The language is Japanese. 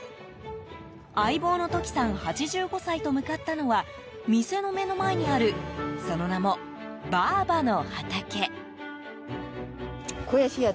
相棒のトキさん、８５歳と向かったのは店の目の前にあるその名も、ばあばの畑。